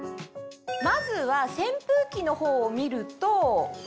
まずは扇風機のほうを見ると。